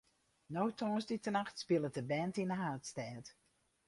No tongersdeitenacht spilet de band yn de haadstêd.